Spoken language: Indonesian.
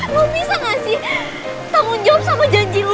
lo bisa gak sih tamu jawa sama janji lo